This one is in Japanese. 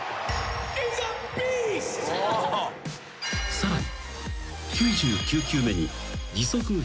［さらに］